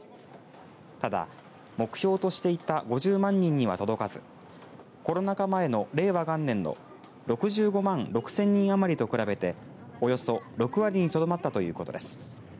ただ、目標としていた５０万人には届かずコロナ禍前の令和元年の６５万６０００人余りと比べておよそ６割にとどまったということです。